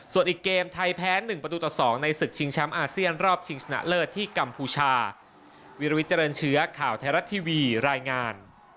ส่วนอีกเกมไทยแพ้๑ประตูต่อ๒ในศึกชิงช้ำอาเซียนรอบชิงชนะเลิศที่กัมพูชา